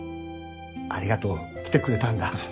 ありがとう来てくれたんだ。